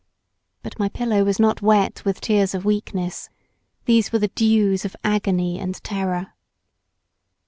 But my pillow was not wet with tears of weakness. These were the dews of agony and terror.